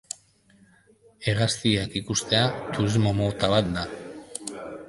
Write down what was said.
Hegaztiak ikustea turismo mota bat da.